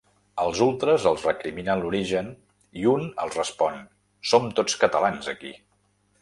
Els ultres els recriminen l’origen i un els respon: Som tots catalans, aquí.